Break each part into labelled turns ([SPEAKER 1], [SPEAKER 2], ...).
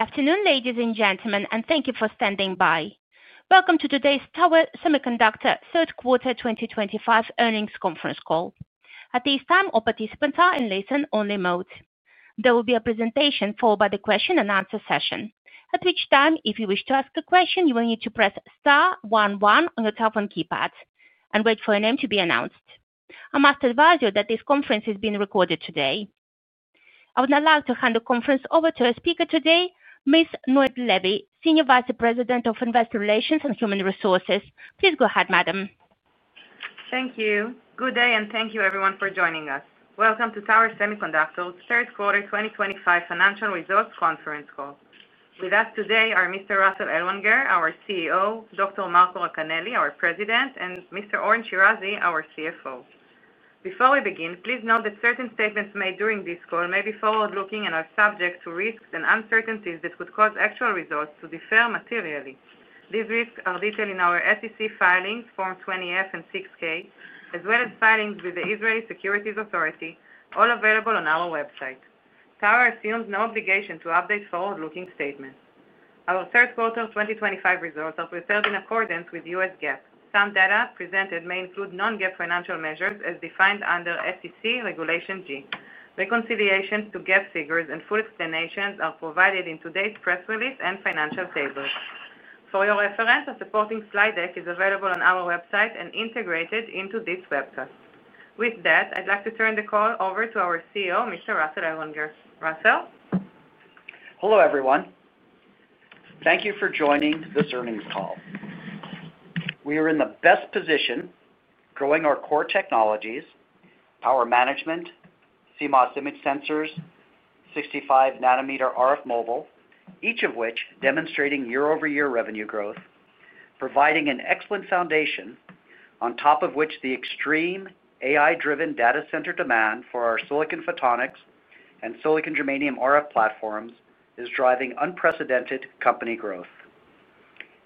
[SPEAKER 1] Afternoon, ladies and gentlemen, and thank you for standing by. Welcome to today's Tower Semiconductor Third Quarter 2025 Earnings Conference Call. At this time, all participants are in listen-only mode. There will be a presentation followed by the question-and-answer session, at which time, if you wish to ask a question, you will need to press star one one on your telephone keypad and wait for your name to be announced. I must advise you that this conference is being recorded today. I would now like to hand the conference over to our speaker today, Ms. Noit Levy, Senior Vice President of Investor Relations and Human Resources. Please go ahead, Madam.
[SPEAKER 2] Thank you. Good day, and thank you, everyone, for joining us. Welcome to Tower Semiconductor Third Quarter 2025 Financial Results Conference Call. With us today are Mr. Russell Ellwanger, our CEO; Dr. Marco Racanelli, our President; and Mr. Oren Shirazi, our CFO. Before we begin, please note that certain statements made during this call may be forward-looking and are subject to risks and uncertainties that could cause actual results to differ materially. These risks are detailed in our SEC filings, Form 20-F and 6-K, as well as filings with the Israeli Securities Authority, all available on our website. Tower assumes no obligation to update forward-looking statements. Our third quarter 2025 results are prepared in accordance with U.S. GAAP. Some data presented may include non-GAAP financial measures as defined under SEC Regulation G. Reconciliations to GAAP figures and full explanations are provided in today's press release and financial tables. For your reference, a supporting slide deck is available on our website and integrated into this webcast. With that, I'd like to turn the call over to our CEO, Mr. Russell Ellwanger. Russell.
[SPEAKER 3] Hello, everyone. Thank you for joining this earnings call. We are in the best position growing our core technologies: power management, CMOS image sensors, 65-nanometer RF mobile, each of which demonstrating year-over-year revenue growth, providing an excellent foundation on top of which the extreme AI-driven data center demand for our Silicon Photonics and Silicon Germanium RF platforms is driving unprecedented company growth.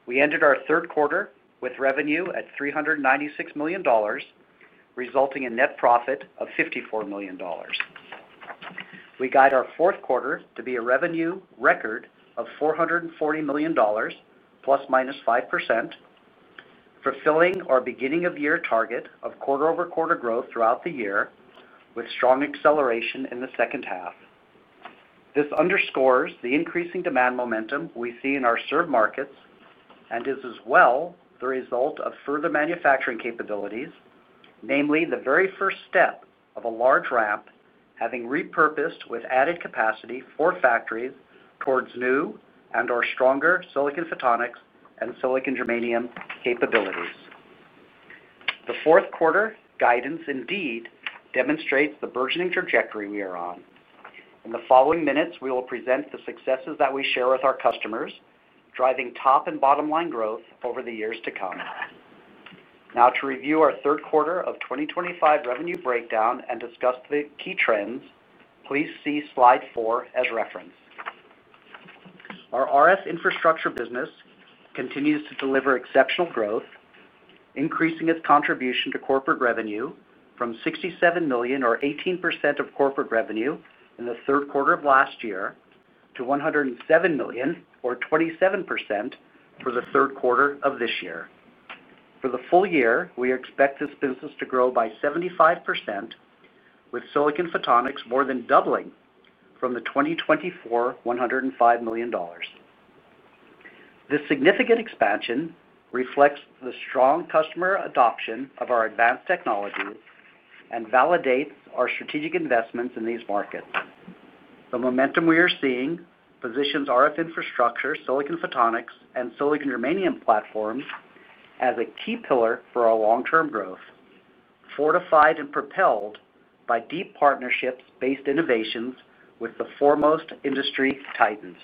[SPEAKER 3] We ended our third quarter with revenue at $396 million, resulting in net profit of $54 million. We guide our fourth quarter to be a revenue record of $440 million, plus/minus 5%, fulfilling our beginning-of-year target of quarter-over-quarter growth throughout the year, with strong acceleration in the second half. This underscores the increasing demand momentum we see in our served markets and is as well the result of further manufacturing capabilities, namely the very first step of a large ramp having repurposed with added capacity for factories towards new and/or stronger Silicon Photonics and Silicon Germanium capabilities. The fourth quarter guidance indeed demonstrates the burgeoning trajectory we are on. In the following minutes, we will present the successes that we share with our customers, driving top and bottom-line growth over the years to come. Now, to review our third quarter 2025 revenue breakdown and discuss the key trends, please see slide four as reference. Our RF infrastructure business continues to deliver exceptional growth, increasing its contribution to corporate revenue from $67 million, or 18% of corporate revenue in third quarter last year, to $107 million, or 27% for third quarter this year. For the full year, we expect this business to grow by 75%, with Silicon Photonics more than doubling from the 2024 $105 million. This significant expansion reflects the strong customer adoption of our advanced technologies and validates our strategic investments in these markets. The momentum we are seeing positions RF infrastructure, Silicon Photonics, and Silicon Germanium platforms as a key pillar for our long-term growth, fortified and propelled by deep partnerships-based innovations with the foremost industry titans.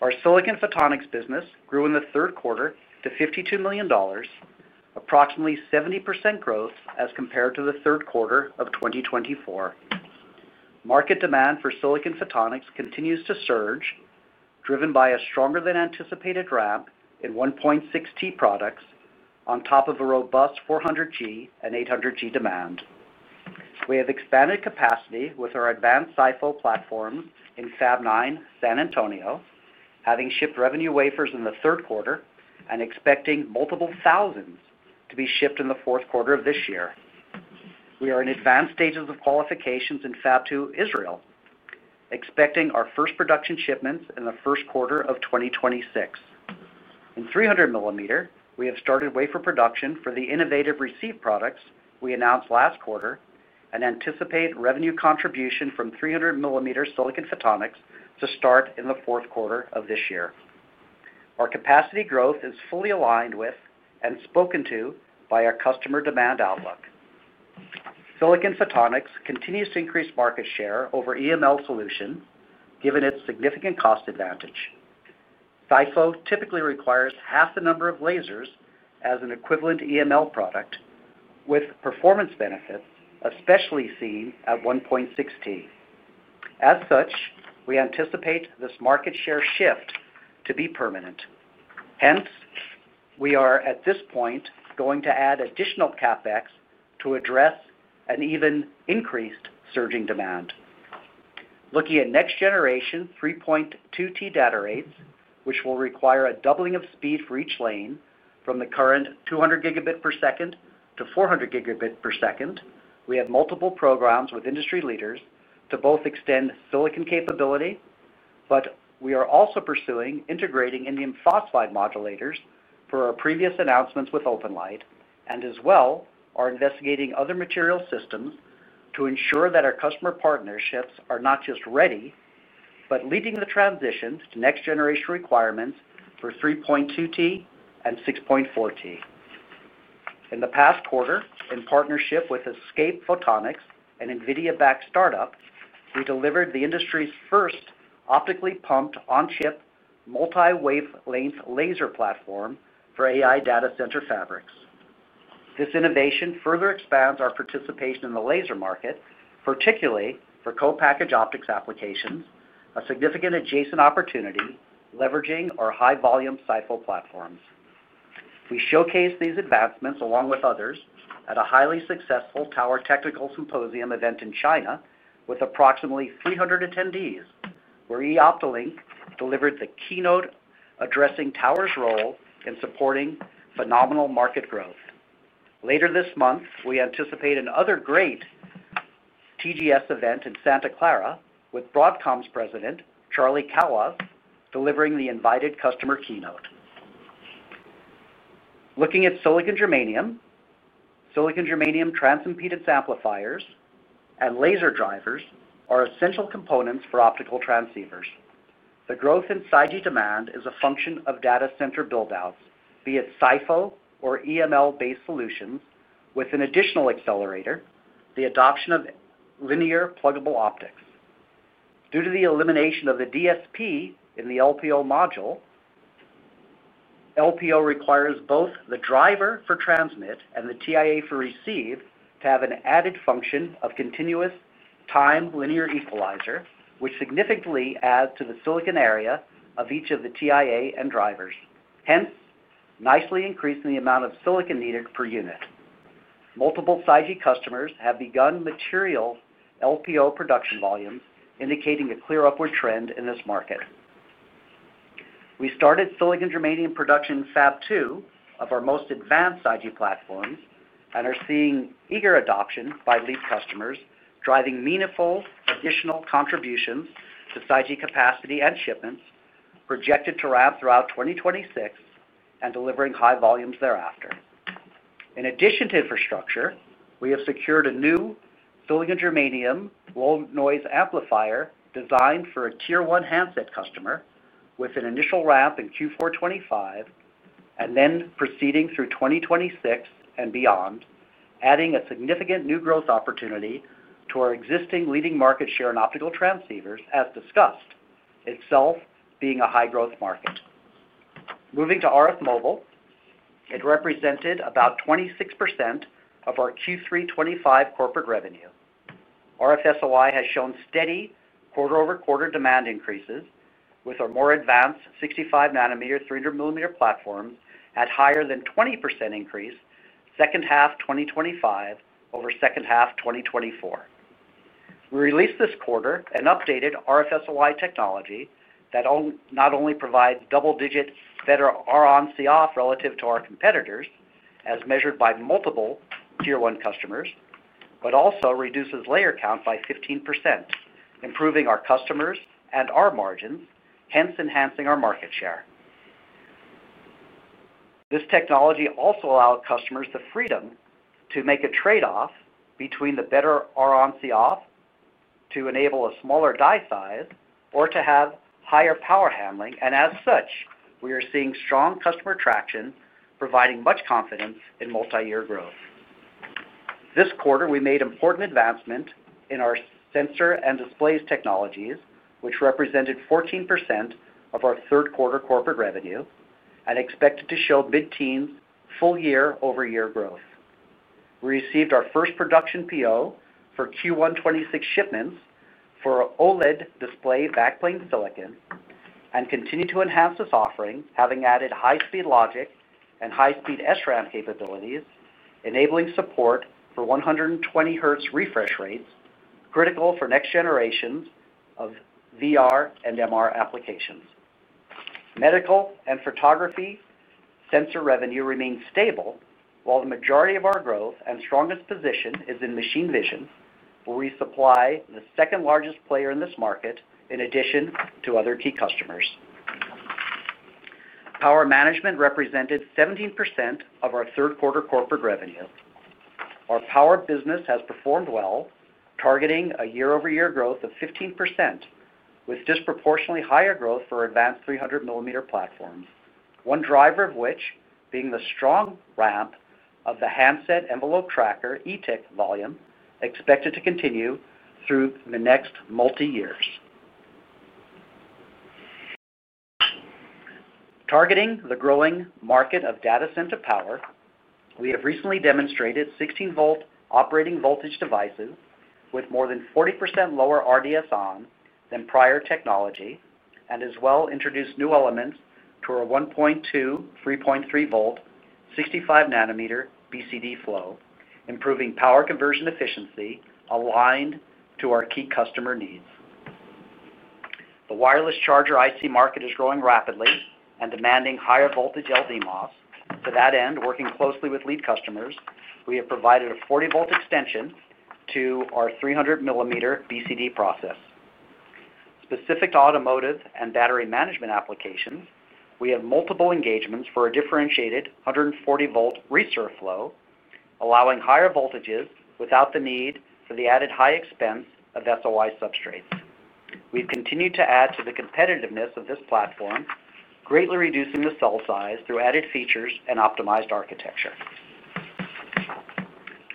[SPEAKER 3] Our Silicon Photonics business grew in third quarter to $52 million, approximately 70% growth as compared to Q3 of 2024. Market demand for Silicon Photonics continues to surge, driven by a stronger-than-anticipated ramp in 1.6T products on top of a robust 400G and 800G demand. We have expanded capacity with our advanced SiPho platforms in Fab 9, San Antonio, having shipped revenue wafers in third quarter and expecting multiple thousands to be shipped in fourth quarter of this year. We are in advanced stages of qualifications in Fab 2, Israel, expecting our first production shipments in first quarter of 2026. In 300mm, we have started wafer production for the innovative receipt products we announced last quarter and anticipate revenue contribution from 300mm Silicon Photonics to start in fourth quarter of this year. Our capacity growth is fully aligned with and spoken to by our customer demand outlook. Silicon Photonics continues to increase market share over EML solutions, given its significant cost advantage. SiPho typically requires half the number of lasers as an equivalent EML product, with performance benefits especially seen at 1.6T. As such, we anticipate this market share shift to be permanent. Hence, we are at this point going to add additional CapEx to address an even increased surging demand. Looking at next-generation 3.2T data rates, which will require a doubling of speed for each lane from the current 200 gigabit per second to 400 gigabit per second, we have multiple programs with industry leaders to both extend silicon capability, but we are also pursuing integrating indium phosphide modulators for our previous announcements with OpenLite, and as well are investigating other material systems to ensure that our customer partnerships are not just ready, but leading the transition to next-generation requirements for 3.2T and 6.4T. In the past quarter, in partnership with Escape Photonics, an NVIDIA-backed startup, we delivered the industry's first optically pumped on-chip multi-wavelength laser platform for AI data center fabrics. This innovation further expands our participation in the laser market, particularly for co-package optics applications, a significant adjacent opportunity leveraging our high-volume SiPho platforms. We showcased these advancements along with others at a highly successful Tower Technical Symposium event in China with approximately 300 attendees, where Eoptolink delivered the keynote addressing Tower's role in supporting phenomenal market growth. Later this month, we anticipate another great TGS event in Santa Clara with Broadcom's President, Charlie Kawwas, delivering the invited customer keynote. Looking at Silicon Germanium, Silicon Germanium transimpedance amplifiers and laser drivers are essential components for optical transceivers. The growth in CIG demand is a function of data center build outs, be it SiPho or EML-based solutions, with an additional accelerator, the adoption of linear pluggable optics. Due to the elimination of the DSP in the LPO module, LPO requires both the driver for transmit and the TIA for receive to have an added function of continuous time linear equalizer, which significantly adds to the silicon area of each of the TIA and drivers, hence nicely increasing the amount of silicon needed per unit. Multiple CIG customers have begun material LPO production volumes, indicating a clear upward trend in this market. We started Silicon Germanium production in Fab 2 of our most advanced CIG platforms and are seeing eager adoption by lead customers, driving meaningful additional contributions to CIG capacity and shipments, projected to ramp throughout 2026 and delivering high volumes thereafter. In addition to infrastructure, we have secured a new Silicon Germanium low-noise amplifier designed for a Tier one handset customer with an initial ramp in Q4 2025 and then proceeding through 2026 and beyond, adding a significant new growth opportunity to our existing leading market share in optical transceivers, as discussed, itself being a high-growth market. Moving to RF mobile, it represented about 26% of our Q3 2025 corporate revenue. RF SLI has shown steady quarter-over-quarter demand increases with our more advanced 65-nanometer 300mm platforms at higher than 20% increase second half 2025 over second half 2024. We released this quarter an updated RFSOI technology that not only provides double-digit better RF CMOS relative to our competitors, as measured by multiple Tier one customers, but also reduces layer count by 15%, improving our customers and our margins, hence enhancing our market share. This technology also allowed customers the freedom to make a trade-off between the better RF CMOS to enable a smaller die size or to have higher power handling, and as such, we are seeing strong customer traction, providing much confidence in multi-year growth. This quarter, we made important advancements in our sensor and displays technologies, which represented 14% of our third quarter corporate revenue and expected to show mid-teens, full-year over-year growth. We received our first production PO for Q1 2026 shipments for OLED display backplane silicon and continue to enhance this offering, having added high-speed logic and high-speed SRAM capabilities, enabling support for 120 Hz refresh rates, critical for next generations of VR and MR applications. Medical and photography sensor revenue remained stable, while the majority of our growth and strongest position is in machine vision, where we supply the second-largest player in this market in addition to other key customers. Power management represented 17% of our third quarter corporate revenue. Our power business has performed well, targeting a year-over-year growth of 15%, with disproportionately higher growth for advanced 300mm platforms, one driver of which being the strong ramp of the handset envelope tracker ETC volume, expected to continue through the next multi-years. Targeting the growing market of data center power, we have recently demonstrated 16V operating voltage devices with more than 40% lower RDSON than prior technology and as well introduced new elements to our 1.2-3.3V 65-nanometer BCD flow, improving power conversion efficiency aligned to our key customer needs. The wireless charger IC market is growing rapidly and demanding higher voltage LDMOS. To that end, working closely with lead customers, we have provided a 40V extension to our 300mm BCD process. Specific to automotive and battery management applications, we have multiple engagements for a differentiated 140V reserve flow, allowing higher voltages without the need for the added high expense of SLI substrates. We've continued to add to the competitiveness of this platform, greatly reducing the cell size through added features and optimized architecture.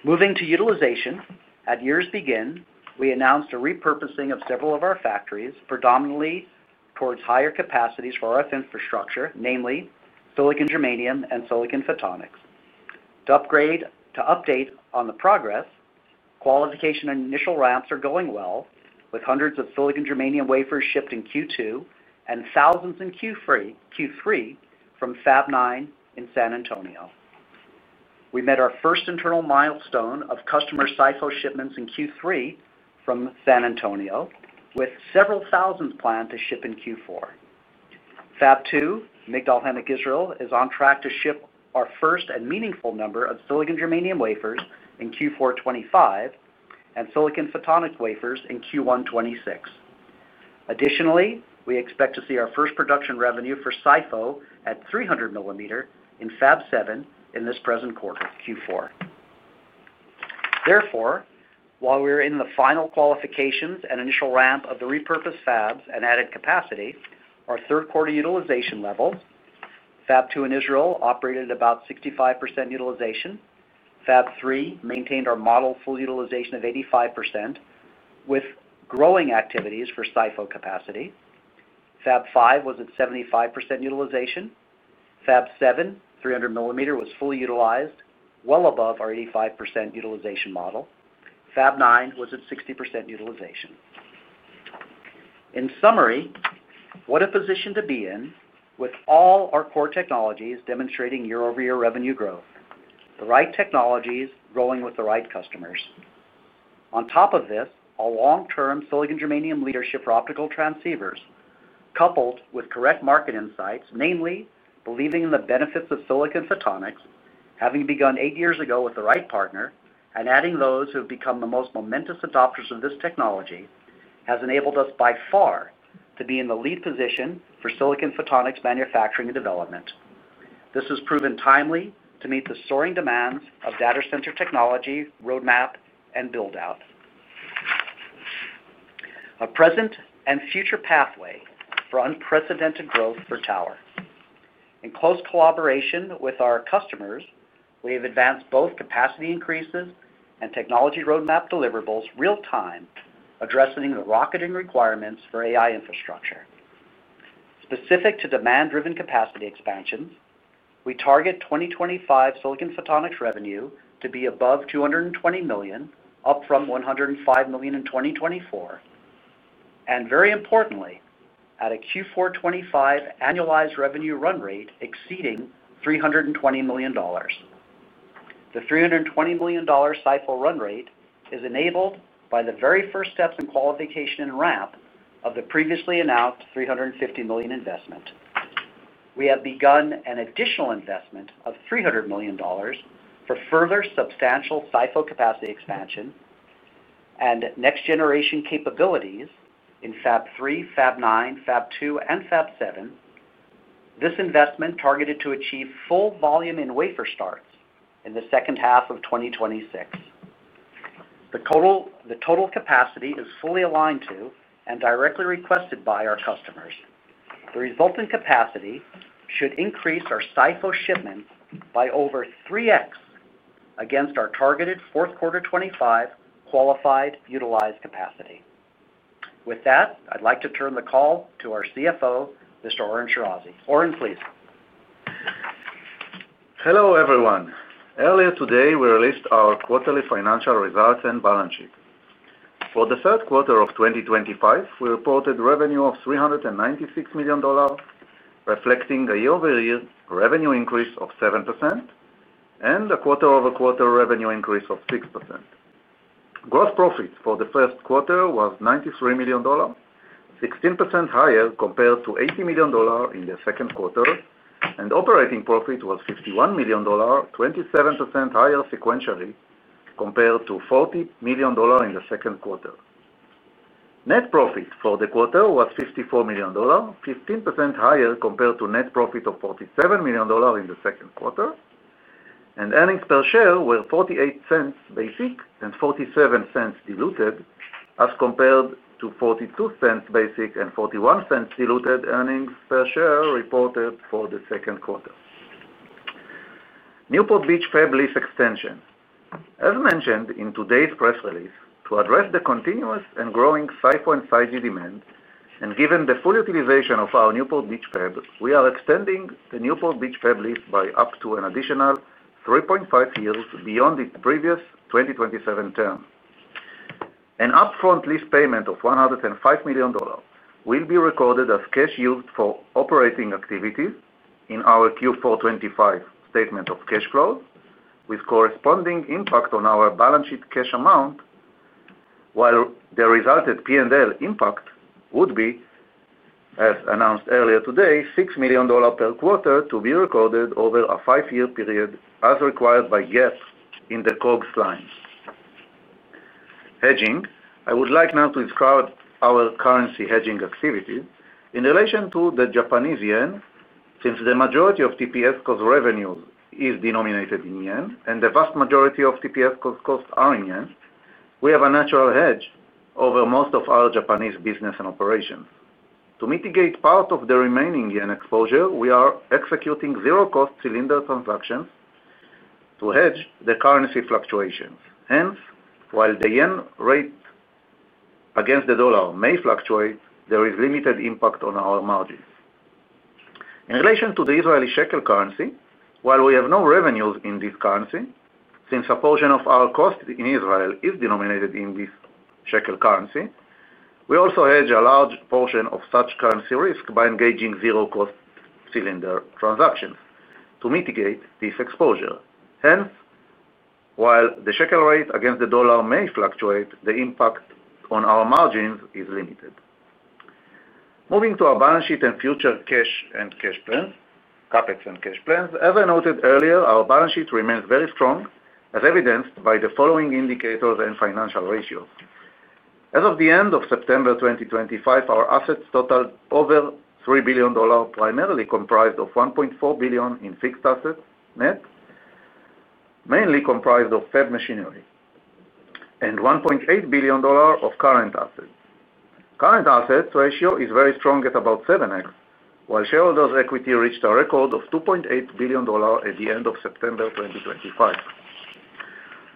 [SPEAKER 3] Moving to utilization, at year's beginning, we announced a repurposing of several of our factories, predominantly towards higher capacities for RF infrastructure, namely Silicon Germanium and Silicon Photonics. To update on the progress, qualification and initial ramps are going well, with hundreds of Silicon Germanium wafers shipped in Q2 and thousands in Q3 from Fab 9 in San Antonio. We met our first internal milestone of customer SiPho shipments in Q3 from San Antonio, with several thousand planned to ship in Q4. Fab 2, Migdal HaEmek, Israel is on track to ship our first and meaningful number of Silicon Germanium wafers in Q4 2025 and silicon photonic wafers in Q1 2026. Additionally, we expect to see our first production revenue for SiPho at 300mm in Fab 7 in this present quarter, Q4. Therefore, while we're in the final qualifications and initial ramp of the repurposed fabs and added capacity, our Q3 utilization levels, Fab 2 in Israel operated at about 65% utilization, Fab 3 maintained our model full utilization of 85% with growing activities for SiPho capacity, Fab 5 was at 75% utilization, Fab 7, 300mm was fully utilized, well above our 85% utilization model, Fab 9 was at 60% utilization. In summary, what a position to be in with all our core technologies demonstrating year-over-year revenue growth, the right technologies growing with the right customers. On top of this, a long-term Silicon Germanium leadership for optical transceivers, coupled with correct market insights, namely believing in the benefits of Silicon Photonics, having begun eight years ago with the right partner and adding those who have become the most momentous adopters of this technology, has enabled us by far to be in the lead position for Silicon Photonics manufacturing and development. This has proven timely to meet the soaring demands of data center technology roadmap and buildout. A present and future pathway for unprecedented growth for Tower. In close collaboration with our customers, we have advanced both capacity increases and technology roadmap deliverables real-time, addressing the rocketing requirements for AI infrastructure. Specific to demand-driven capacity expansions, we target 2025 Silicon Photonics revenue to be above $220 million, up from $105 million in 2024, and very importantly, at a Q4 2025 annualized revenue run rate exceeding $320 million. The $320 million SiPho run rate is enabled by the very first steps in qualification and ramp of the previously announced $350 million investment. We have begun an additional investment of $300 million for further substantial SiPho capacity expansion and next-generation capabilities in Fab 3, Fab 9, Fab 2, and Fab 7. This investment targeted to achieve full volume in wafer starts in the second half of 2026. The total capacity is fully aligned to and directly requested by our customers. The resultant capacity should increase our SiPho shipment by over 3X against our targeted Q4 2025 qualified utilized capacity. With that, I'd like to turn the call to our CFO, Mr. Oren Shirazi. Oren, please.
[SPEAKER 4] Hello everyone. Earlier today, we released our quarterly financial results and balance sheet. For the third quarter of 2025, we reported revenue of $396 million, reflecting a year-over-year revenue increase of 7% and a quarter-over-quarter revenue increase of 6%. Gross profit for the first quarter was $93 million, 16% higher compared to $80 million in the second quarter, and operating profit was $51 million, 27% higher sequentially compared to $40 million in the second quarter. Net profit for the quarter was $54 million, 15% higher compared to net profit of $47 million in the second quarter, and earnings per share were $0.48 basic and $0.47 diluted as compared to $0.42 basic and $0.41 diluted earnings per share reported for the second quarter. Newport Beach Fab Lease Extension. As mentioned in today's press release, to address the continuous and growing SiPho and CIG demand and given the full utilization of our Newport Beach Fab, we are extending the Newport Beach Fab lease by up to an additional 3.5 years beyond its previous 2027 term. An upfront lease payment of $105 million will be recorded as cash used for operating activities in our Q4 2025 statement of cash flows, with corresponding impact on our balance sheet cash amount, while the resultant P&L impact would be, as announced earlier today, $6 million per quarter to be recorded over a five-year period as required by GAAP in the COGS line. Hedging, I would like now to describe our currency hedging activities. In relation to the Japanese yen, since the majority of TPS revenues is denominated in yen and the vast majority of TPS costs are in yen, we have a natural hedge over most of our Japanese business and operations. To mitigate part of the remaining yen exposure, we are executing zero-cost cylinder transactions to hedge the currency fluctuations. Hence, while the yen rate against the dollar may fluctuate, there is limited impact on our margins. In relation to the Israeli shekel currency, while we have no revenues in this currency, since a portion of our cost in Israel is denominated in this shekel currency, we also hedge a large portion of such currency risk by engaging zero-cost cylinder transactions to mitigate this exposure. Hence, while the shekel rate against the dollar may fluctuate, the impact on our margins is limited. Moving to our balance sheet and future cash and cash plans, CapEx and cash plans, as I noted earlier, our balance sheet remains very strong, as evidenced by the following indicators and financial ratios. As of the end of September 2025, our assets totaled over $3 billion, primarily comprised of $1.4 billion in fixed assets net, mainly comprised of Fab machinery, and $1.8 billion of current assets. Current assets ratio is very strong at about 7X, while shareholders' equity reached a record of $2.8 billion at the end of September 2025.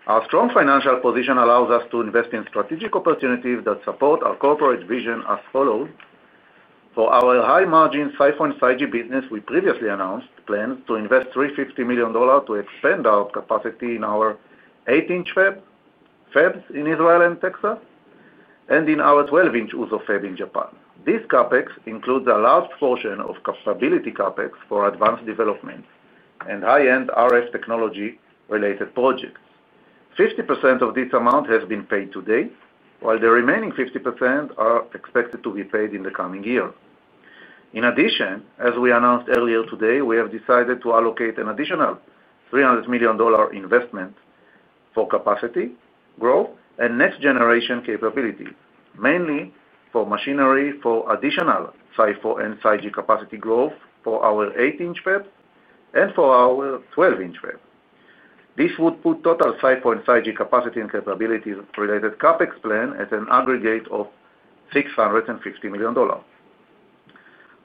[SPEAKER 4] Our strong financial position allows us to invest in strategic opportunities that support our corporate vision as follows. For our high-margin SiPho and CIG business, we previously announced plans to invest $350 million to expand our capacity in our 8-inch Fabs in Israel and Texas, and in our 12-inch UMC Fab in Japan. This CapEx includes a large portion of capability CapEx for advanced development and high-end RF technology-related projects. 50% of this amount has been paid today, while the remaining 50% are expected to be paid in the coming year. In addition, as we announced earlier today, we have decided to allocate an additional $300 million investment for capacity growth and next-generation capabilities, mainly for machinery for additional SiPho and CIG capacity growth for our 8-inch Fabs and for our 12-inch Fabs. This would put total SiPho and CIG capacity and capabilities-related CapEx plan at an aggregate of $650 million.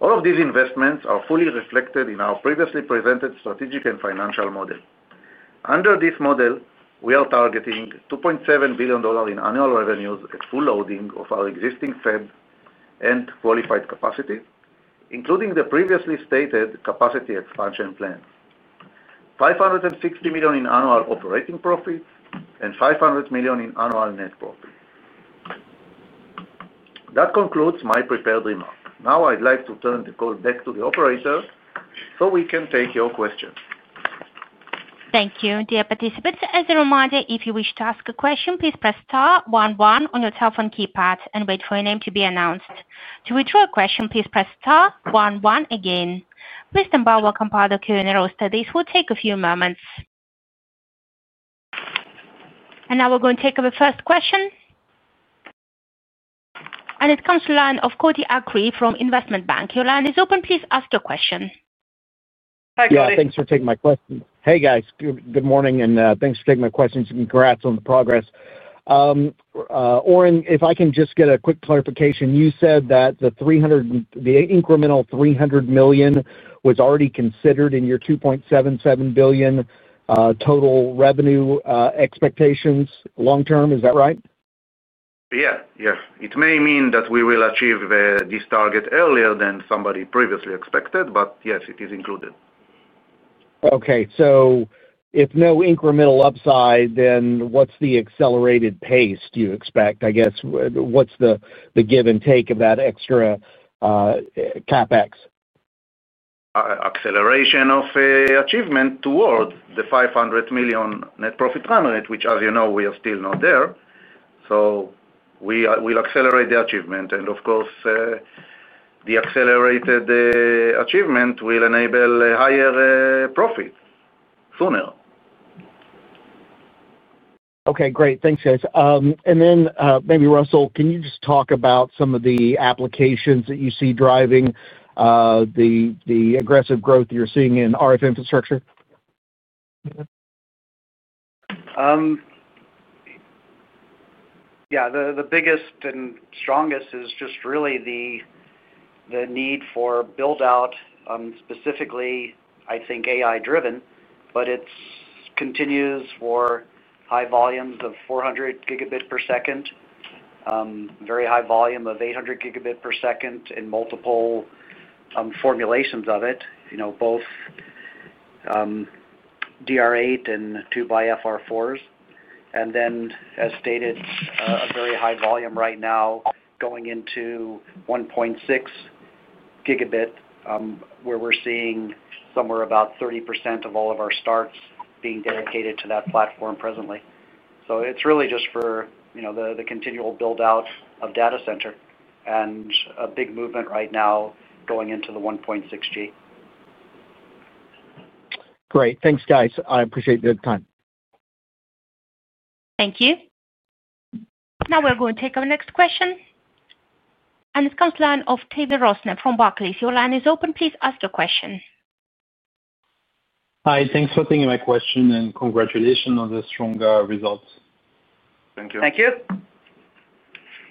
[SPEAKER 4] All of these investments are fully reflected in our previously presented strategic and financial model. Under this model, we are targeting $2.7 billion in annual revenues at full loading of our existing Fab and qualified capacity, including the previously stated capacity expansion plan, $560 million in annual operating profits, and $500 million in annual net profit. That concludes my prepared remark. Now, I'd like to turn the call back to the operator so we can take your questions.
[SPEAKER 1] Thank you, dear participants. As a reminder, if you wish to ask a question, please press star one one on your telephone keypad and wait for your name to be announced. To withdraw a question, please press star one one again. Mr. Bauer will compile the Q&A row state. This will take a few moments. Now we're going to take up the first question. It comes from the line of Cody Acree from Investment Bank. Your line is open. Please ask your question.
[SPEAKER 3] Hi, Cody.
[SPEAKER 5] Yeah, thanks for taking my question. Hey, guys. Good morning and thanks for taking my questions. Congrats on the progress. Oren, if I can just get a quick clarification, you said that the incremental $300 million was already considered in your $2.77 billion total revenue expectations long-term. Is that right?
[SPEAKER 4] Yeah. Yeah. It may mean that we will achieve this target earlier than somebody previously expected, but yes, it is included.
[SPEAKER 5] Okay. If no incremental upside, then what's the accelerated pace you expect? I guess what's the give and take of that extra CapEx?
[SPEAKER 4] Acceleration of achievement towards the $500 million net profit target, which, as you know, we are still not there. We will accelerate the achievement. Of course, the accelerated achievement will enable higher profit sooner.
[SPEAKER 5] Okay. Great. Thanks, guys. Maybe Russell, can you just talk about some of the applications that you see driving the aggressive growth you're seeing in RF infrastructure?
[SPEAKER 3] Yeah. The biggest and strongest is just really the need for buildout, specifically, I think, AI-driven, but it continues for high volumes of 400 gb per second, very high volume of 800 gb per second in multiple formulations of it, both DR8 and 2xFR4s. As stated, a very high volume right now going into 1.6 gb, where we're seeing somewhere about 30% of all of our starts being dedicated to that platform presently. It is really just for the continual buildout of data center and a big movement right now going into the 1.6G.
[SPEAKER 5] Great. Thanks, guys. I appreciate the time.
[SPEAKER 1] Thank you. Now we're going to take our next question. It comes to the line of Tavy Rosner from Barclays. Your line is open. Please ask your question.
[SPEAKER 6] Hi. Thanks for taking my question and congratulations on the strong results.
[SPEAKER 4] Thank you.
[SPEAKER 6] Thank you.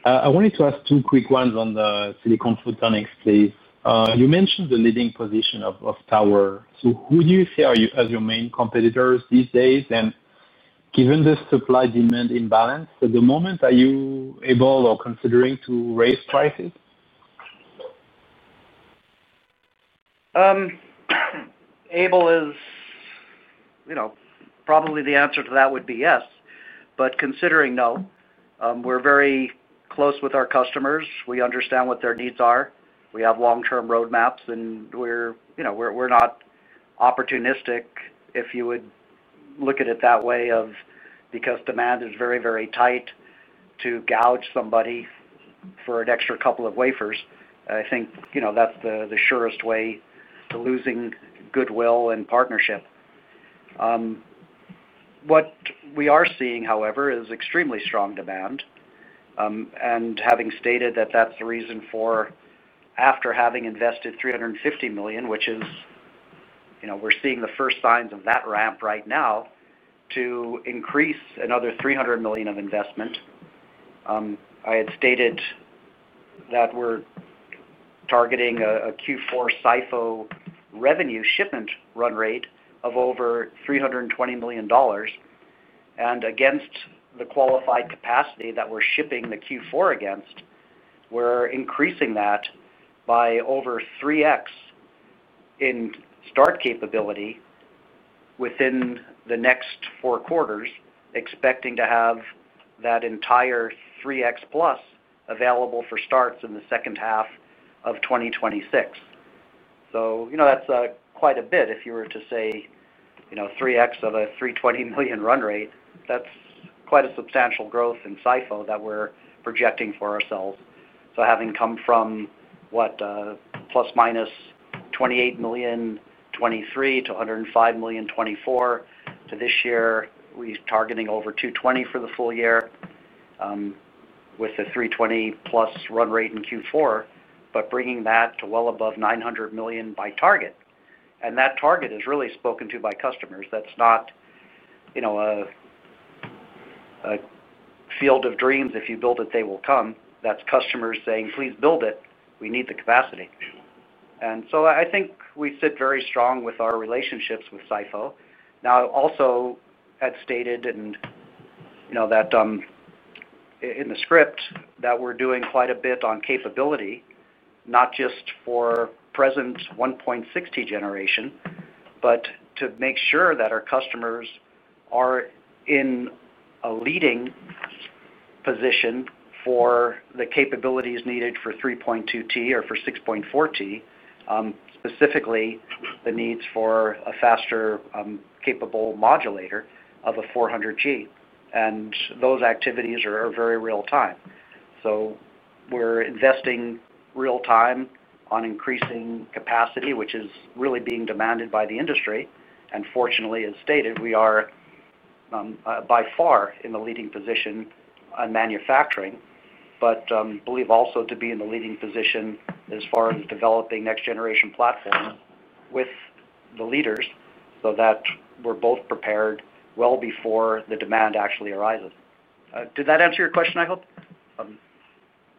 [SPEAKER 6] I wanted to ask two quick ones on the Silicon Photonics, please. You mentioned the leading position of Tower. Who do you see as your main competitors these days? Given the supply-demand imbalance at the moment, are you able or considering to raise prices?
[SPEAKER 3] Able is probably the answer to that would be yes, but considering no, we're very close with our customers. We understand what their needs are. We have long-term roadmaps, and we're not opportunistic, if you would look at it that way, because demand is very, very tight to gouge somebody for an extra couple of wafers. I think that's the surest way to losing goodwill and partnership. What we are seeing, however, is extremely strong demand. Having stated that, that's the reason for, after having invested $350 million, which is we're seeing the first signs of that ramp right now, to increase another $300 million of investment. I had stated that we're targeting a Q4 SiPho revenue shipment run rate of over $320 million. Against the qualified capacity that we're shipping the Q4 against, we're increasing that by over 3x in start capability within the next four quarters, expecting to have that entire 3x plus available for starts in the second half of 2026. That is quite a bit. If you were to say 3x of a $320 million run rate, that is quite a substantial growth in SiPho that we're projecting for ourselves. Having come from, what, plus minus $28 million 2023 to $105 million 2024, to this year, we're targeting over $220 million for the full year with a $320 million-plus run rate in Q4, but bringing that to well above $900 million by target. That target is really spoken to by customers. That's not a field of dreams. If you build it, they will come. That's customers saying, "Please build it. We need the capacity." I think we sit very strong with our relationships with SiPho. I also stated in the script that we're doing quite a bit on capability, not just for present 1.6T generation, but to make sure that our customers are in a leading position for the capabilities needed for 3.2T or for 6.4T, specifically the needs for a faster capable modulator of a 400G. Those activities are very real-time. We're investing real-time on increasing capacity, which is really being demanded by the industry. Fortunately, as stated, we are by far in the leading position on manufacturing, but believe also to be in the leading position as far as developing next-generation platforms with the leaders so that we're both prepared well before the demand actually arises. Did that answer your question, I hope?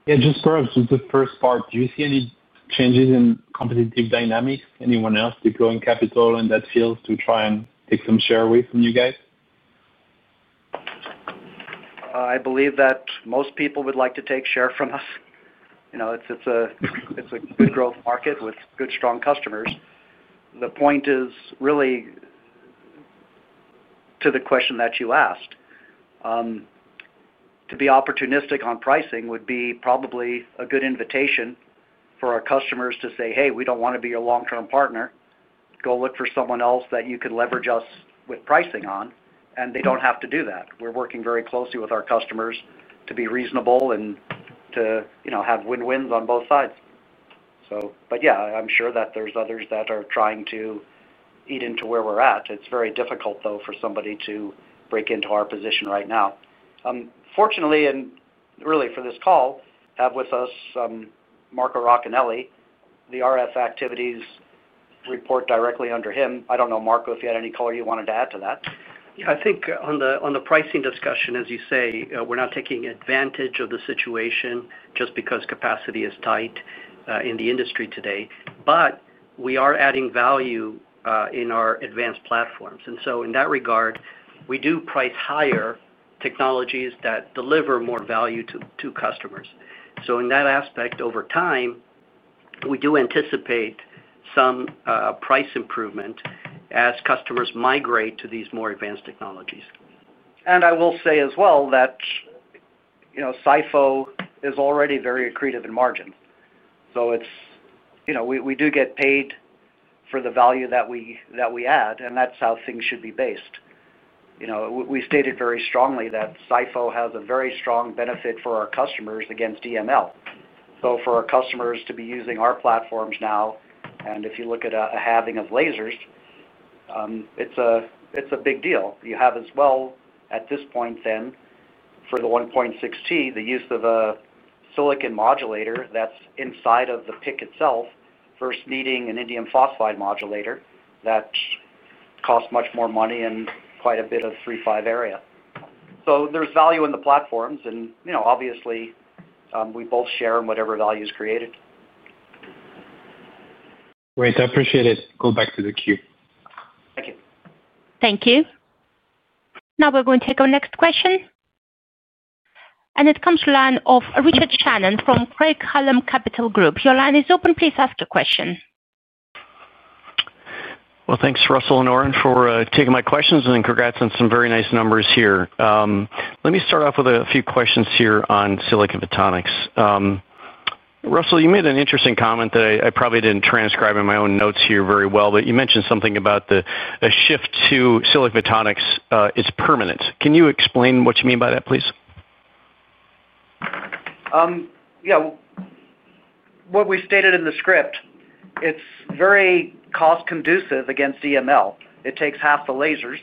[SPEAKER 6] Yeah. Just to close with the first part, do you see any changes in competitive dynamics? Anyone else deploying capital in that field to try and take some share away from you guys?
[SPEAKER 3] I believe that most people would like to take share from us. It's a good growth market with good, strong customers. The point is really to the question that you asked. To be opportunistic on pricing would be probably a good invitation for our customers to say, "Hey, we don't want to be your long-term partner. Go look for someone else that you can leverage us with pricing on." They don't have to do that. We're working very closely with our customers to be reasonable and to have win-wins on both sides. Yeah, I'm sure that there's others that are trying to eat into where we're at. It's very difficult, though, for somebody to break into our position right now. Fortunately, and really for this call, I have with us Marco Racanelli, the RF activities report directly under him. I don't know, Marco, if you had any color you wanted to add to that.
[SPEAKER 7] Yeah. I think on the pricing discussion, as you say, we're not taking advantage of the situation just because capacity is tight in the industry today, but we are adding value in our advanced platforms. In that regard, we do price higher technologies that deliver more value to customers. In that aspect, over time, we do anticipate some price improvement as customers migrate to these more advanced technologies. I will say as well that SiPho is already very accretive in margin. We do get paid for the value that we add, and that's how things should be based. We stated very strongly that SiPho has a very strong benefit for our customers against EML. For our customers to be using our platforms now, and if you look at a halving of lasers, it's a big deal. You have as well at this point then for the 1.6T, the use of a silicon modulator that's inside of the PIC itself versus needing an indium phosphide modulator that costs much more money and quite a bit of three, five area. So there's value in the platforms, and obviously, we both share in whatever value is created.
[SPEAKER 6] Great. I appreciate it. Go back to the queue. Thank you.
[SPEAKER 1] Thank you. Now we're going to take our next question. It comes to the line of Richard Shannon from Craig Hallum Capital Group. Your line is open. Please ask your question.
[SPEAKER 8] Thanks, Russell and Oren, for taking my questions and congrats on some very nice numbers here. Let me start off with a few questions here on Silicon Photonics. Russell, you made an interesting comment that I probably did not transcribe in my own notes here very well, but you mentioned something about the shift to Silicon Photonics is permanent. Can you explain what you mean by that, please?
[SPEAKER 3] Yeah. What we stated in the script, it is very cost-conducive against EML. It takes half the lasers.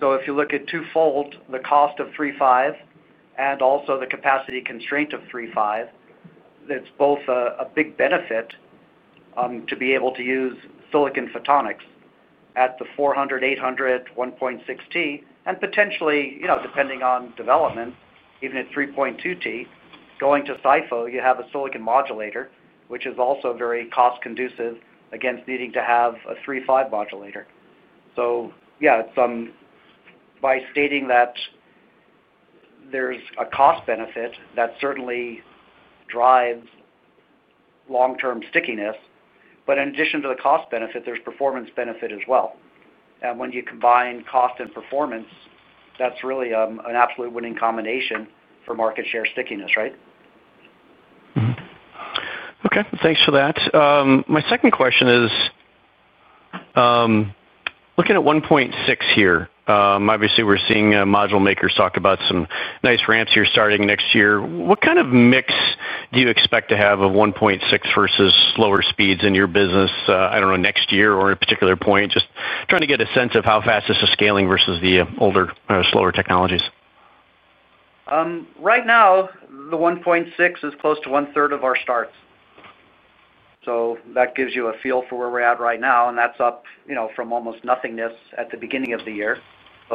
[SPEAKER 3] If you look at twofold the cost of 3, 5 and also the capacity constraint of three, five it is both a big benefit to be able to use Silicon Photonics at the 400, 800, 1.6T, and potentially, depending on development, even at 3.2T. Going to SiPho, you have a silicon modulator, which is also very cost-conducive against needing to have a 3, 5 modulator. By stating that there is a cost benefit, that certainly drives long-term stickiness. In addition to the cost benefit, there is performance benefit as well. When you combine cost and performance, that's really an absolute winning combination for market share stickiness, right?
[SPEAKER 8] Okay. Thanks for that. My second question is, looking at 1.6 here, obviously, we're seeing module makers talk about some nice ramps here starting next year. What kind of mix do you expect to have of 1.6 versus slower speeds in your business, I don't know, next year or a particular point? Just trying to get a sense of how fast this is scaling versus the older, slower technologies.
[SPEAKER 3] Right now, the 1.6 is close to one-third of our starts. That gives you a feel for where we're at right now, and that's up from almost nothingness at the beginning of the year.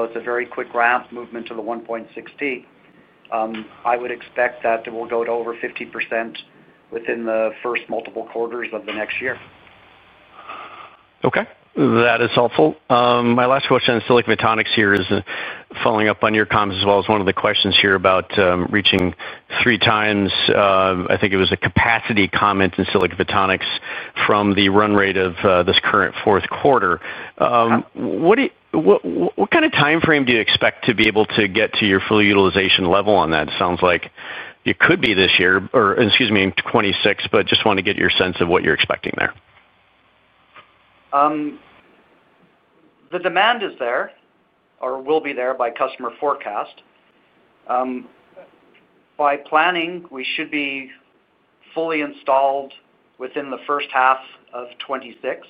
[SPEAKER 3] It's a very quick ramp movement to the 1.6T. I would expect that we'll go to over 50% within the first multiple quarters of the next year.
[SPEAKER 8] Okay. That is helpful. My last question on Silicon Photonics here is following up on your comments as well as one of the questions here about reaching three times, I think it was a capacity comment in Silicon Photonics from the run rate of this current fourth quarter. What kind of time frame do you expect to be able to get to your full utilization level on that? It sounds like it could be this year or, excuse me, in 2026, but just want to get your sense of what you're expecting there.
[SPEAKER 3] The demand is there or will be there by customer forecast. By planning, we should be fully installed within the first half of 2026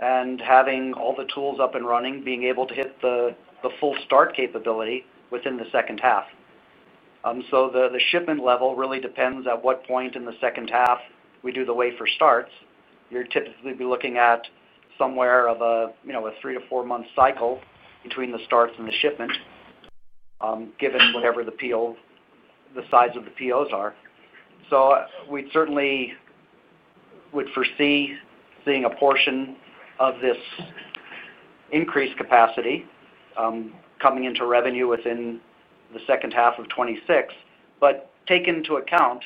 [SPEAKER 3] and having all the tools up and running, being able to hit the full start capability within the second half. The shipment level really depends at what point in the second half we do the wafer starts. You'll typically be looking at somewhere of a three to four-month cycle between the starts and the shipment, given whatever the size of the POs are. We certainly would foresee seeing a portion of this increased capacity coming into revenue within the second half of 2026, but take into account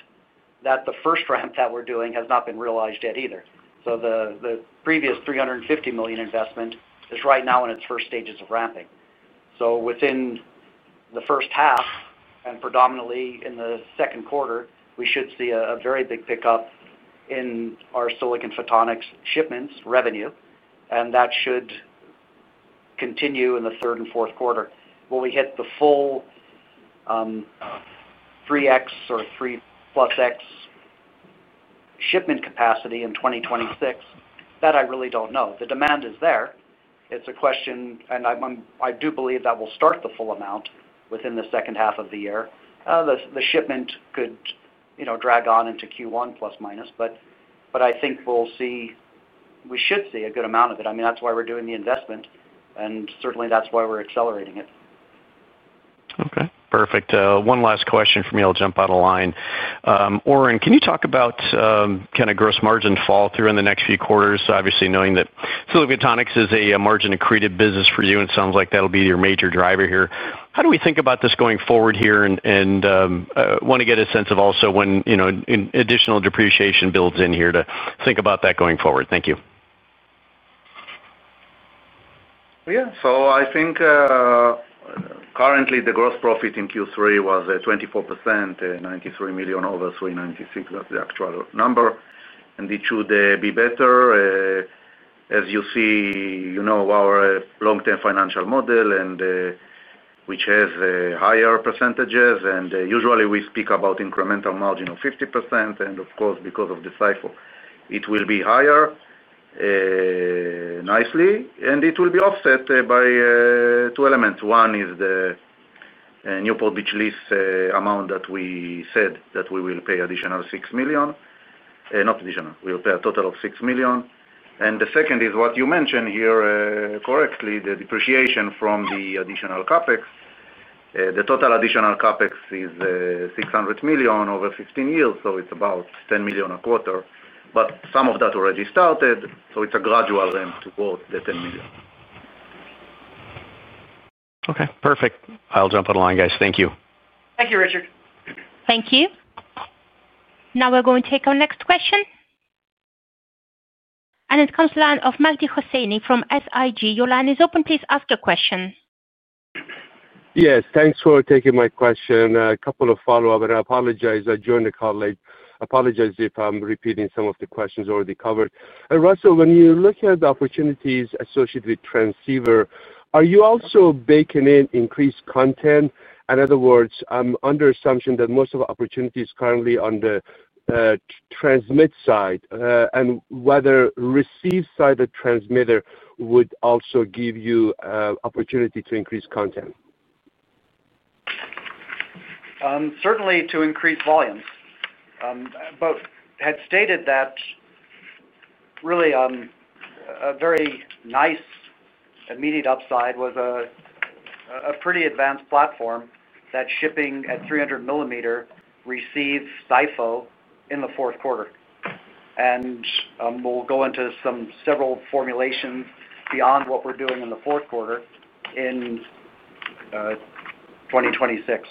[SPEAKER 3] that the first ramp that we're doing has not been realized yet either. The previous $350 million investment is right now in its first stages of ramping. Within the first half and predominantly in the second quarter, we should see a very big pickup in our Silicon Photonics shipments revenue, and that should continue in the third and fourth quarter. Will we hit the full 3x or +3 x shipment capacity in 2026? That I really don't know. The demand is there. It's a question, and I do believe that we'll start the full amount within the second half of the year. The shipment could drag on into +-Q1, but I think we'll see we should see a good amount of it. I mean, that's why we're doing the investment, and certainly, that's why we're accelerating it.
[SPEAKER 8] Okay. Perfect. One last question from me. I'll jump out of line. Oren, can you talk about kind of gross margin fall through in the next few quarters? Obviously, knowing that Silicon Photonics is a margin-accretive business for you, and it sounds like that'll be your major driver here. How do we think about this going forward here? I want to get a sense of also when additional depreciation builds in here to think about that going forward. Thank you.
[SPEAKER 4] Yeah. I think currently the gross profit in Q3 was 24%, $93 million over $396. That is the actual number. It should be better. As you see, you know our long-term financial model, which has higher percentages. Usually, we speak about incremental margin of 50%. Of course, because of the SiPho, it will be higher nicely, and it will be offset by two elements. One is the Newport Beach lease amount that we said we will pay, a total of $6 million. The second is what you mentioned here correctly, the depreciation from the additional CapEx. The total additional CapEx is $600 million over 15 years. It is about $10 million a quarter, but some of that already started. It is a gradual ramp towards the $10 million.
[SPEAKER 8] Okay. Perfect. I'll jump out of line, guys. Thank you.
[SPEAKER 3] Thank you, Richard.
[SPEAKER 1] Thank you. Now we're going to take our next question. It comes to the line of Mehdi Hosseini from SIG. Your line is open. Please ask your question.
[SPEAKER 9] Yes. Thanks for taking my question. A couple of follow-ups. I apologize. I joined a colleague. I apologize if I'm repeating some of the questions already covered. Russell, when you look at the opportunities associated with transceiver, are you also baking in increased content? In other words, under assumption that most of the opportunity is currently on the transmit side, and whether receive side of transmitter would also give you opportunity to increase content?
[SPEAKER 3] Certainly, to increase volumes. Had stated that really a very nice immediate upside was a pretty advanced platform that shipping at 300 mm receives SiPho in the fourth quarter. We will go into several formulations beyond what we are doing in the fourth quarter in 2026.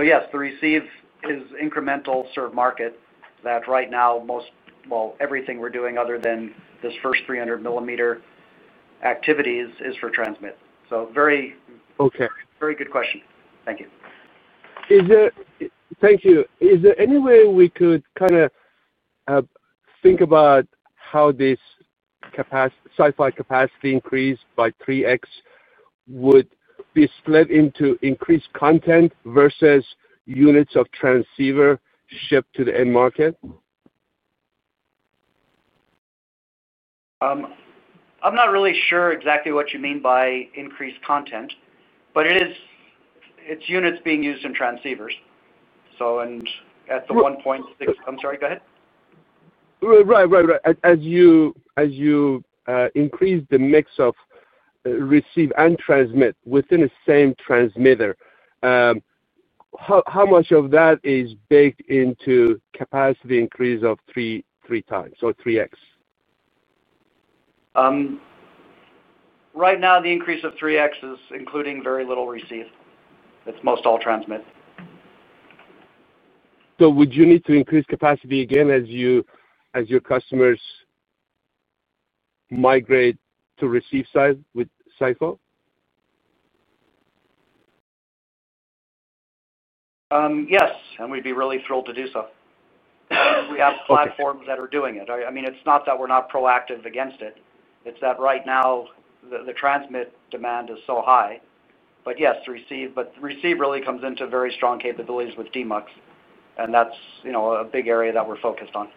[SPEAKER 3] Yes, the receive is incremental serve market that right now most, well, everything we are doing other than this first 300 millimeter activities is for transmit. Very good question. Thank you.
[SPEAKER 9] Thank you. Is there any way we could kind of think about how this SiPho capacity increase by 3X would be split into increased content versus units of transceiver shipped to the end market?
[SPEAKER 3] I am not really sure exactly what you mean by increased content, but it is units being used in transceivers. At the 1.6, I am sorry. Go ahead.
[SPEAKER 9] Right, right, right. As you increase the mix of receive and transmit within the same transmitter, how much of that is baked into capacity increase of three times or 3x?
[SPEAKER 3] Right now, the increase of 3x is including very little receive. It's most all transmit.
[SPEAKER 9] Would you need to increase capacity again as your customers migrate to receive side with SiPho?
[SPEAKER 3] Yes. We'd be really thrilled to do so. We have platforms that are doing it. I mean, it's not that we're not proactive against it. It's that right now, the transmit demand is so high. Yes, receive really comes into very strong capabilities with DMUX, and that's a big area that we're focused on.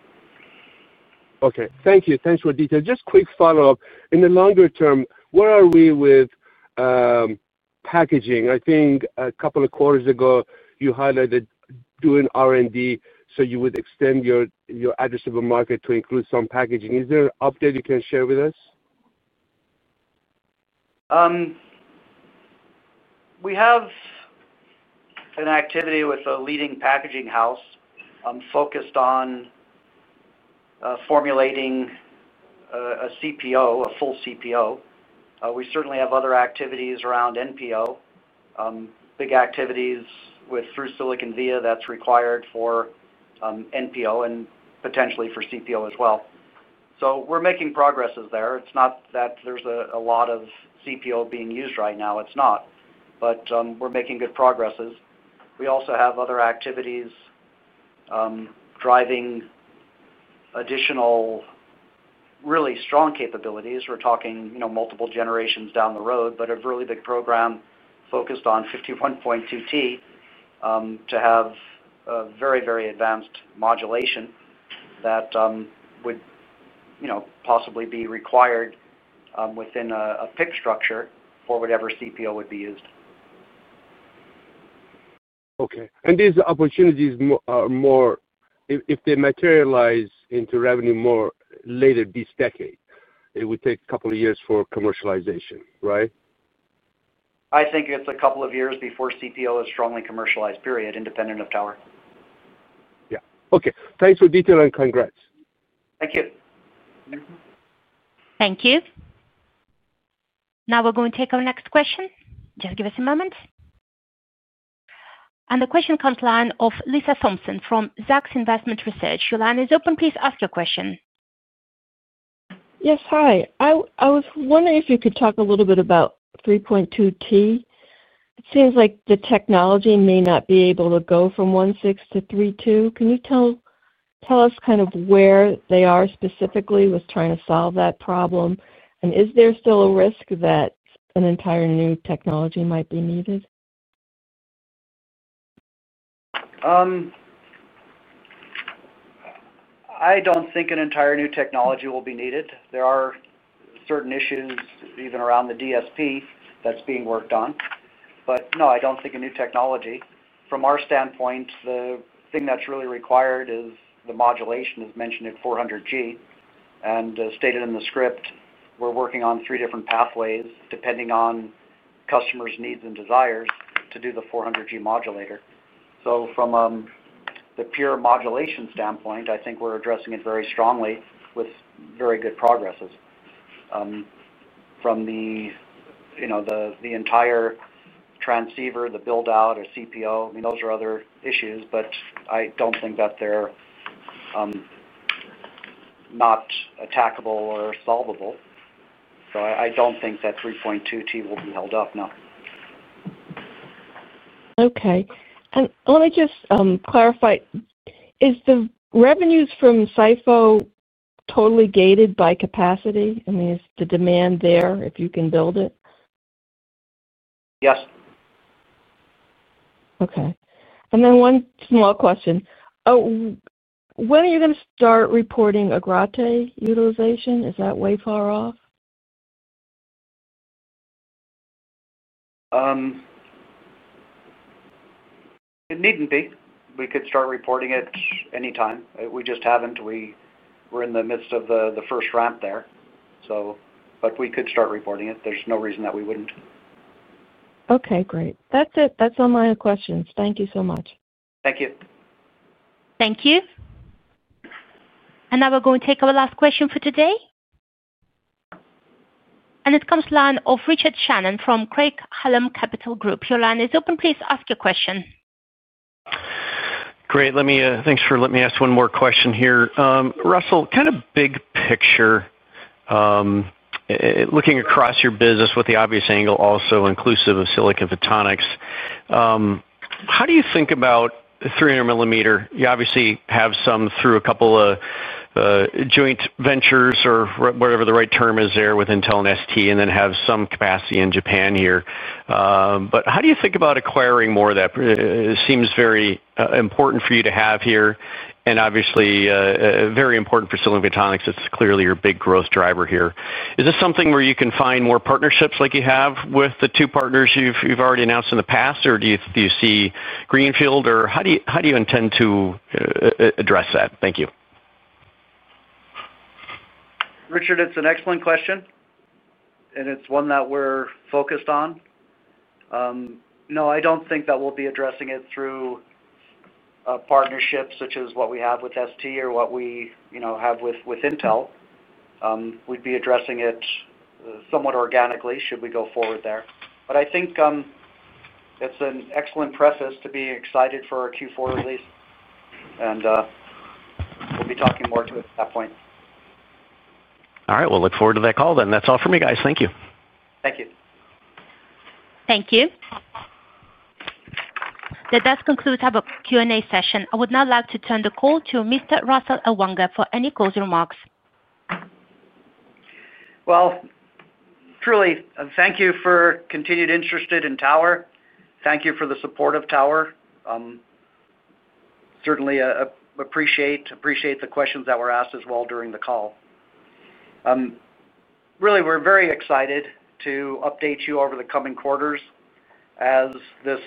[SPEAKER 9] Okay. Thank you. Thanks for the detail. Just quick follow-up. In the longer term, where are we with packaging? I think a couple of quarters ago, you highlighted doing R&D so you would extend your addressable market to include some packaging. Is there an update you can share with us?
[SPEAKER 3] We have an activity with a leading packaging house focused on formulating a CPO, a full CPO. We certainly have other activities around NPO, big activities with through silicon via that's required for NPO and potentially for CPO as well. We're making progresses there. It's not that there's a lot of CPO being used right now. It's not. We're making good progresses. We also have other activities driving additional really strong capabilities. We're talking multiple generations down the road, but a really big program focused on 51.2T to have very, very advanced modulation that would possibly be required within a PIC structure for whatever CPO would be used.
[SPEAKER 9] Okay. These opportunities are more if they materialize into revenue more later this decade. It would take a couple of years for commercialization, right?
[SPEAKER 3] I think it's a couple of years before CPO is strongly commercialized, period, independent of Tower.
[SPEAKER 9] Yeah. Okay. Thanks for the detail and congrats.
[SPEAKER 3] Thank you.
[SPEAKER 1] Thank you. Now we're going to take our next question. Just give us a moment. The question comes to the line of Lisa Thompson from ZACKS Investment Research. Your line is open. Please ask your question.
[SPEAKER 10] Yes. Hi. I was wondering if you could talk a little bit about 3.2T. It seems like the technology may not be able to go from 1.6 to 3.2. Can you tell us kind of where they are specifically with trying to solve that problem? Is there still a risk that an entire new technology might be needed?
[SPEAKER 3] I don't think an entire new technology will be needed. There are certain issues even around the DSP that's being worked on. No, I don't think a new technology. From our standpoint, the thing that's really required is the modulation as mentioned at 400G. As stated in the script, we're working on three different pathways depending on customers' needs and desires to do the 400G modulator. From the pure modulation standpoint, I think we're addressing it very strongly with very good progress. From the entire transceiver, the build-out or CPO, I mean, those are other issues, but I don't think that they're not attackable or solvable. I don't think that 3.2T will be held up, no.
[SPEAKER 10] Okay. Let me just clarify. Is the revenues from SiPho totally gated by capacity? I mean, is the demand there if you can build it?
[SPEAKER 3] Yes.
[SPEAKER 10] Okay. One small question. When are you going to start reporting Agrate utilization? Is that way far off?
[SPEAKER 3] It needn't be. We could start reporting it anytime. We just haven't. We're in the midst of the first ramp there. We could start reporting it. There's no reason that we wouldn't.
[SPEAKER 10] Okay. Great. That's it. That's all my questions. Thank you so much.
[SPEAKER 3] Thank you.
[SPEAKER 1] Thank you. Now we're going to take our last question for today. It comes to the line of Richard Shannon from Craig Hallum Capital Group. Your line is open. Please ask your question.
[SPEAKER 8] Great. Thanks for letting me ask one more question here. Russell, kind of big picture, looking across your business with the obvious angle also inclusive of Silicon Photonics, how do you think about 300mm? You obviously have some through a couple of joint ventures or whatever the right term is there with Intel and ST, and then have some capacity in Japan here. How do you think about acquiring more of that? It seems very important for you to have here, and obviously very important for Silicon Photonics. It's clearly your big growth driver here. Is this something where you can find more partnerships like you have with the two partners you've already announced in the past, or do you see Greenfield, or how do you intend to address that? Thank you.
[SPEAKER 3] Richard, it's an excellent question, and it's one that we're focused on. No, I don't think that we'll be addressing it through a partnership such as what we have with ST or what we have with Intel. We'd be addressing it somewhat organically should we go forward there. I think it's an excellent preface to be excited for our Q4 release, and we'll be talking more to it at that point. All right. I look forward to that call then.
[SPEAKER 8] That's all for me, guys. Thank you.
[SPEAKER 3] Thank you.
[SPEAKER 1] Thank you. That does conclude our Q&A session. I would now like to turn the call to Mr. Russell Ellwanger for any closing remarks.
[SPEAKER 3] Truly, thank you for continued interest in Tower. Thank you for the support of Tower. Certainly appreciate the questions that were asked as well during the call. Really, we're very excited to update you over the coming quarters as this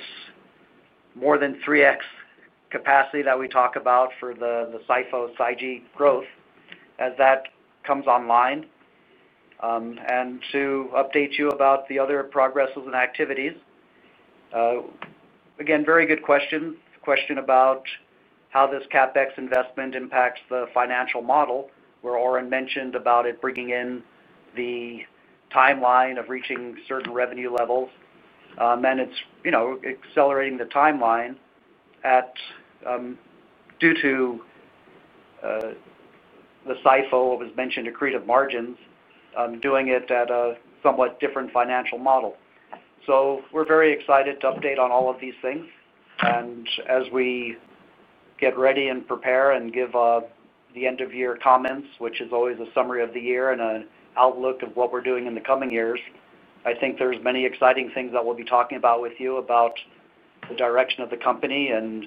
[SPEAKER 3] more than 3X capacity that we talk about for the SiPho/SiGe growth as that comes online, and to update you about the other progresses and activities. Again, very good question. Question about how this CapEx investment impacts the financial model. We already mentioned about it bringing in the timeline of reaching certain revenue levels, and it's accelerating the timeline due to the SiPho, it was mentioned, accretive margins, doing it at a somewhat different financial model. We're very excited to update on all of these things. As we get ready and prepare and give the end-of-year comments, which is always a summary of the year and an outlook of what we're doing in the coming years, I think there's many exciting things that we'll be talking about with you about the direction of the company and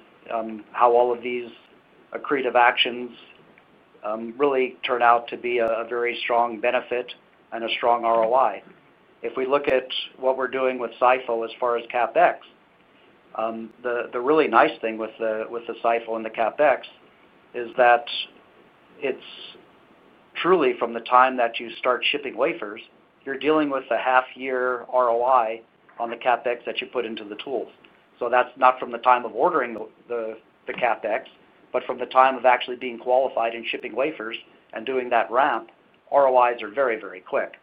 [SPEAKER 3] how all of these accretive actions really turn out to be a very strong benefit and a strong ROI. If we look at what we're doing with SiPho as far as CapEx, the really nice thing with the SiPho and the CapEx is that it's truly from the time that you start shipping wafers, you're dealing with a half-year ROI on the CapEx that you put into the tools. That's not from the time of ordering the CapEx, but from the time of actually being qualified and shipping wafers and doing that ramp, ROIs are very, very quick.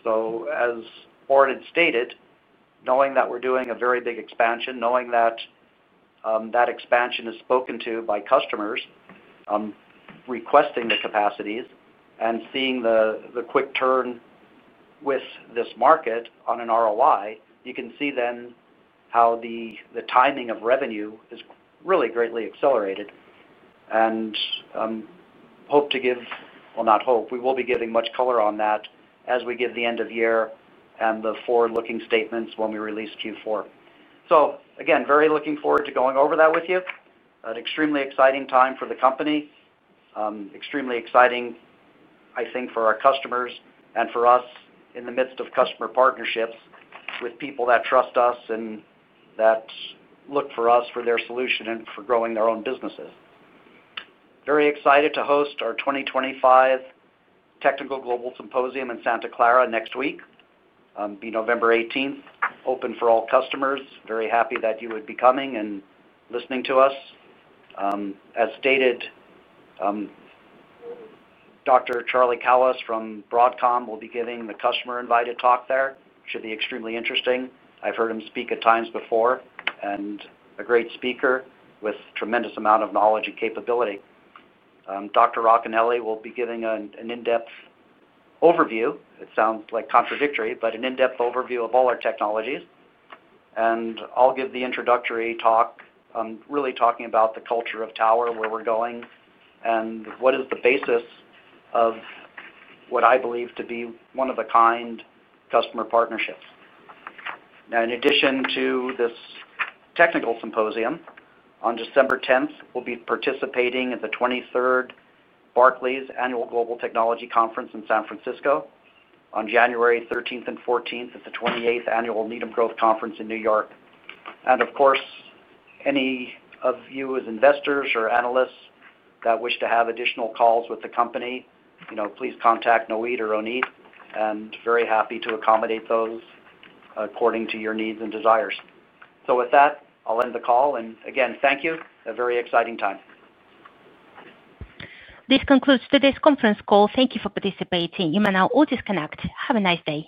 [SPEAKER 3] As Oren had stated, knowing that we are doing a very big expansion, knowing that that expansion is spoken to by customers requesting the capacities and seeing the quick turn with this market on an ROI, you can see then how the timing of revenue is really greatly accelerated. We will be giving much color on that as we give the end-of-year and the forward-looking statements when we release Q4. Again, very much looking forward to going over that with you. An extremely exciting time for the company, extremely exciting, I think, for our customers and for us in the midst of customer partnerships with people that trust us and that look for us for their solution and for growing their own businesses. Very excited to host our 2025 Technical Global Symposium in Santa Clara next week, be November 18th, open for all customers. Very happy that you would be coming and listening to us. As stated, Dr. Charlie Kawwas from Broadcom will be giving the customer-invited talk there. Should be extremely interesting. I've heard him speak at times before, and a great speaker with a tremendous amount of knowledge and capability. Dr. Racanelli will be giving an in-depth overview. It sounds like contradictory, but an in-depth overview of all our technologies. I'll give the introductory talk, really talking about the culture of Tower, where we're going, and what is the basis of what I believe to be one-of-a-kind customer partnerships. Now, in addition to this technical symposium, on December 10th, we'll be participating at the 23rd Barclays Annual Global Technology Conference in San Francisco. On January 13th and 14th, at the 28th Annual Needham Growth Conference in New York. Of course, any of you as investors or analysts that wish to have additional calls with the company, please contact Noit, and very happy to accommodate those according to your needs and desires. With that, I'll end the call. Again, thank you. A very exciting time.
[SPEAKER 1] This concludes today's conference call. Thank you for participating. You may now all disconnect. Have a nice day.